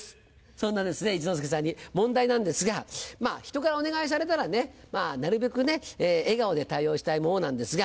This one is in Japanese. そんなですね一之輔さんに問題なんですが人からお願いされたらねなるべく笑顔で対応したいものなんですが。